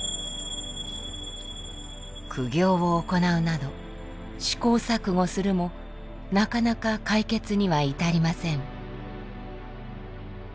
苦行を行うなど試行錯誤するもなかなか解決には至りません。